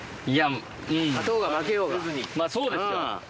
まぁそうですよ。